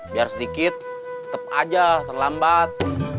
biar sedikit tetep aja terlambat